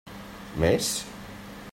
Més?